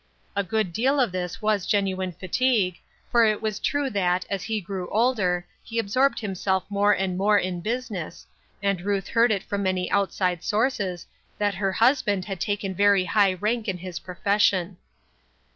A good deal of this was genuine fatigue, for it was true that, as he grew older, he absorbed himself more and more in business, and Ruth heard it from many outside sources that her husband had taken very high rank in his profession.